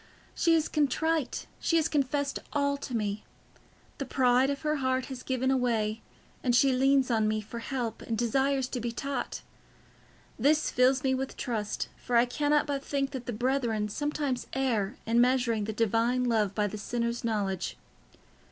She is contrite, she has confessed all to me. The pride of her heart has given way, and she leans on me for help and desires to be taught. This fills me with trust, for I cannot but think that the brethren sometimes err in measuring the Divine love by the sinner's knowledge.